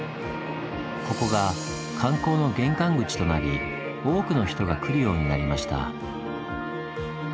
ここが観光の玄関口となり多くの人が来るようになりました。